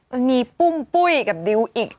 ยังมีปุ้งปุ้ยกับดิวอีก